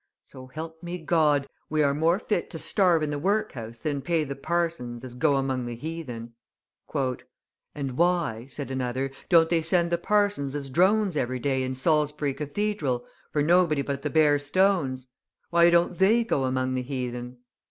So help me God, we are more fit to starve in the workhouse than pay the parsons as go among the heathen." "And why," said another, "don't they send the parsons as drones every day in Salisbury Cathedral, for nobody but the bare stones? Why don't they go among the heathen?"